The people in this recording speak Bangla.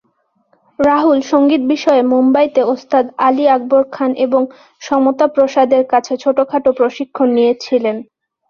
রাহুল সঙ্গীত বিষয়ে মুম্বাইতে ওস্তাদ আলী আকবর খান এবং সমতা প্রসাদের কাছে ছোটোখাটো প্রশিক্ষণ নিয়েছিলেন।